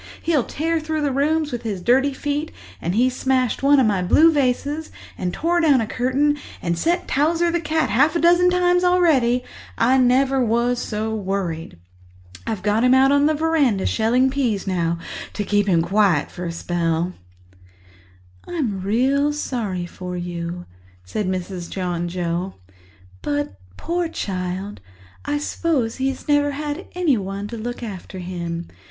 He'll tear through the rooms with his dirty feet, and he's smashed one of my blue vases and torn down a curtain and set Towser on the cat half a dozen times already—I never was so worried. I've got him out on the verandah shelling peas now, to keep him quiet for a little spell." "I'm really sorry for you," said Mrs. John Joe. "But, poor child, I suppose he's never had anyone to look after him.